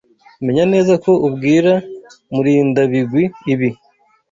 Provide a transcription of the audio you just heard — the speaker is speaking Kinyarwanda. Menya neza ko ubwira Murindabigwi ibi.